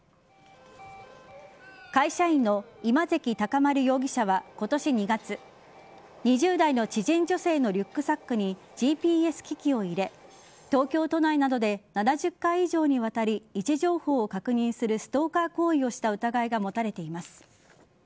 会社員の今関尊丸容疑者は今年２月２０代の知人女性のリュックサックにＧＰＳ機器を入れ東京都内などで７０回以上にわたり、位置情報を確認するストーカー行為をした疑いが持たれています。